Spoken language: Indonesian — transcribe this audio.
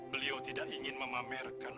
beliau tidak ingin memamerkan